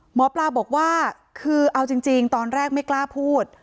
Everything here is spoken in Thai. หมอปลาบอกว่าคือเอาจริงตอนแรกไม่กล้าพูด